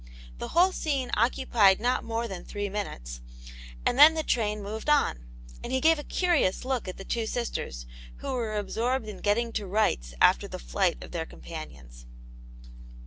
The whole scene occupied not more than three minutes, and then the Aunt yaue^s Hero. 51 train moved on, and he gave a curious look at the two sisters, who were absorbed in getting to rights after the flight qf their companions.